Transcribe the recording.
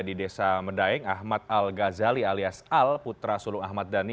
di desa medaeng ahmad al ghazali alias al putra sulung ahmad dhani